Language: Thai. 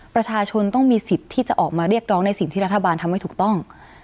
ประชาชนต้องมีสิทธิ์ที่จะออกมาเรียกร้องในสิ่งที่รัฐบาลทำให้ถูกต้อง